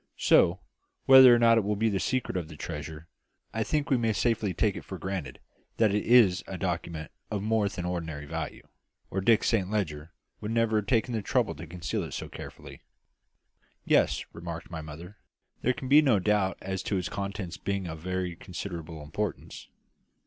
"So, whether or not it will be the secret of the treasure, I think we may safely take it for granted that it is a document of more than ordinary value, or Dick Saint Leger would never have taken the trouble to conceal it so carefully." "Yes," remarked my mother, "there can be no doubt as to its contents being of very considerable importance.